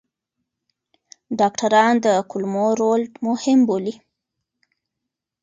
ډاکټران د کولمو رول مهم بولي.